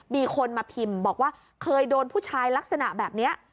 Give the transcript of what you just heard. มีคนมาพิมพ์บอกว่าเคยโดนผู้ชายลักษณะแบบนี้